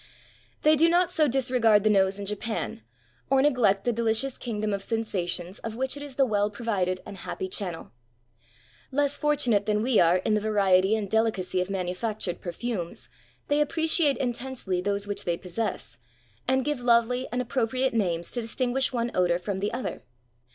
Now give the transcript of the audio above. They do not so disregard the nose in Japan, or neg lect the delicious kingdom of sensations of which it is the well provided and happy channel. Less fortunate than we are in the variety and delicacy of manufactured perfumes, they appreciate intensely those which they possess, and give lovely and appropriate names to dis tinguish one odor from the other.